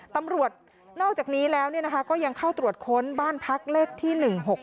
ตำรวจนอกจากนี้แล้วก็ยังเข้าตรวจค้นบ้านพักเลขที่๑๖๖